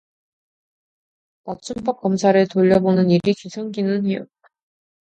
맞춤법 검사를 돌려보는 일이 귀찮기는 해요.